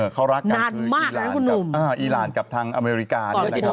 เขารักกันคืออีหลานกับทางอเมริกา